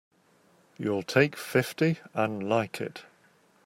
You'll take fifty and like it!